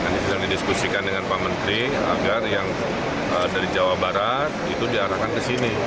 ini sedang didiskusikan dengan pak menteri agar yang dari jawa barat itu diarahkan ke sini